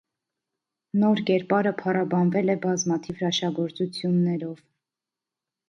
Նոր կերպարը փառաբանվել է բազմաթիվ հրաշագործություններով։